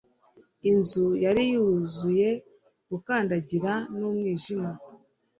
Inzu yari yuzuye gukandagira numwijima